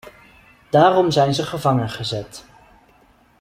Daarom zijn ze gevangen gezet.